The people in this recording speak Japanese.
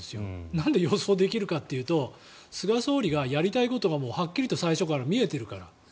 なんで予想できるかというと菅総理がやりたいことははっきりと最初から見えているから。